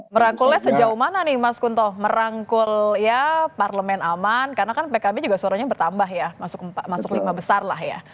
merangkulnya sejauh mana nih mas kunto merangkul ya parlemen aman karena kan pkb juga suaranya bertambah ya masuk lima besar lah ya